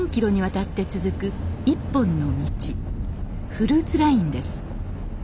「フルーツライン」です。